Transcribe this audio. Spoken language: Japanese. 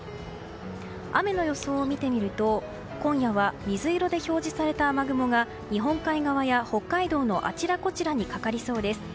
雨の予想を見てみると今夜は水色で表示された雨雲が日本海側や北海道のあちらこちらにかかりそうです。